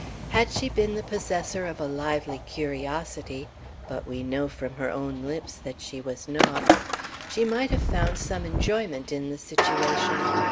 Had she been the possessor of a lively curiosity (but we know from her own lips that she was not), she might have found some enjoyment in the situation.